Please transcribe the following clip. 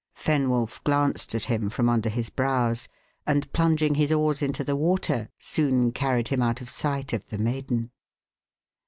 Fenwolf glanced at him from under his brows; and plunging his oars into the water, soon carried him out of sight of the maiden.